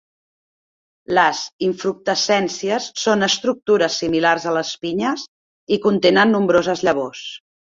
Les infructescències són estructures similars a les pinyes i contenen nombroses llavors.